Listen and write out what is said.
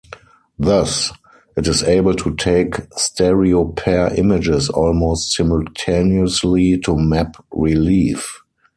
Thus, it is able to take stereopair images almost simultaneously to map relief.